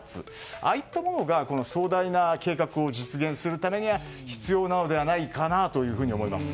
ああいったものが壮大な計画を実現するためには必要なのではないかと思います。